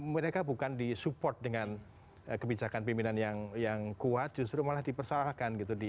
mereka bukan disupport dengan kebijakan pimpinan yang kuat justru malah dipersalahkan gitu